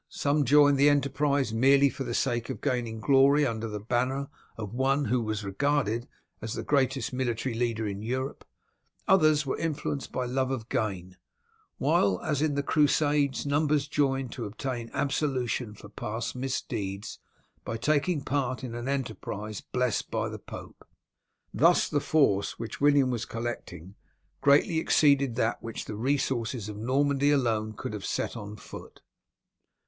Some joined the enterprise merely for the sake of gaining glory under the banner of one who was regarded as the greatest military leader in Europe, others were influenced by love of gain, while, as in the crusades, numbers joined to obtain absolution for past misdeeds by taking part in an enterprise blessed by the Pope. Thus the force which William was collecting greatly exceeded that which the resources of Normandy alone could have set on foot.